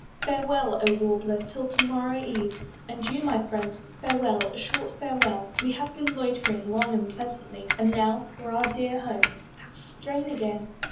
Farewell, O Warbler! till to morrow eve, And you, my friends! farewell, a short farewell! We have been loitering long and pleasantly, And now for our dear homes. That strain again!